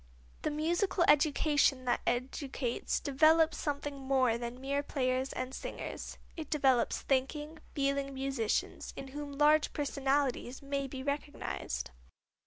The musical education that educates develops something more than mere players and singers; it develops thinking, feeling musicians, in whom large personalities may be recognized.